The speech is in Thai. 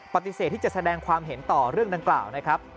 ปฏิเสธที่จะแสดงความเห็นต่อเรื่องดังกล่าวนะครับ